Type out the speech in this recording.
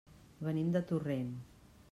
Venim de Torrent.